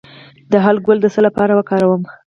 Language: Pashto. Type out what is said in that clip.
د هل ګل د څه لپاره وکاروم؟